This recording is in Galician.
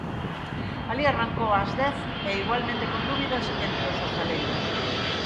Alí arrancou ás dez e igualmente con dúbidas entre os hostaleiros.